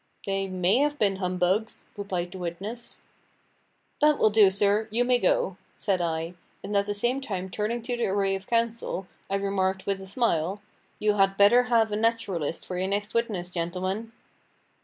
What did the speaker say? "They may have been humbugs," replied the witness. "That will do, sir you may go," said I; and at the same time turning to the array of counsel, I remarked, with a smile, "You had better have a naturalist for your next witness, gentlemen."